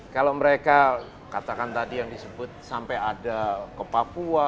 kalau mereka katakan tadi yang disebut sampai ada ke papua